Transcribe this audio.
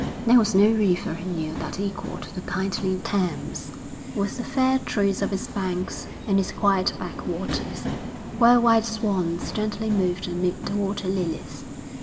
There was no river he knew that equalled the kindly Thames, with the fair trees of its banks and its quiet backwaters, where white swans gently moved amid the waterlilies.